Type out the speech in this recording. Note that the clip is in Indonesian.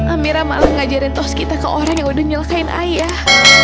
amira malah ngajarin tos kita ke orang yang udah nyelesain ayah